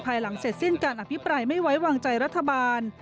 หลังเสร็จสิ้นการอภิปรายไม่ไว้วางใจรัฐบาล